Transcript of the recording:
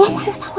ya sama sama mbak